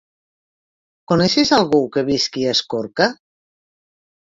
Coneixes algú que visqui a Escorca?